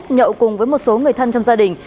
nhậu cùng với một số người thân trong gia đình